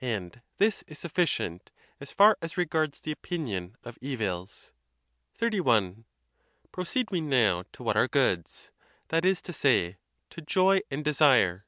And this is sufficient, as far as regards the opinion of evils. XXXI. Proceed we now to what are goods—that is to say, to joy and desire.